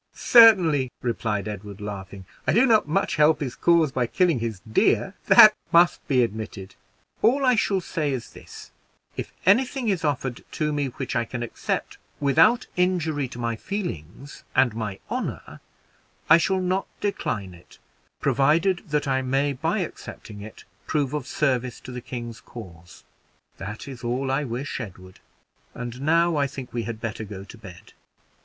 "Certainly," replied Edward, laughing, "I do not much help his cause by killing his deer, that must be admitted; all I shall say is this, if any thing is offered to me which I can accept without injury to my feelings and my honor, I shall not decline it, provided that I may, by accepting it, prove of service to the king's cause." "That is all I wish, Edward. And now I think we had better go to bed."